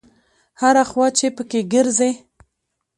هره خوا چې په کې ګرځې.